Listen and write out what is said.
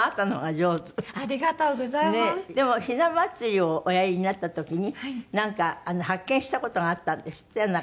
でもひな祭りをおやりになった時になんか発見した事があったんですって？